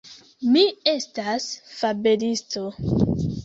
Mi estas fabelisto.